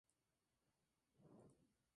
Es de origen cubano y salvadoreño.